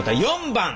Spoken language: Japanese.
４番。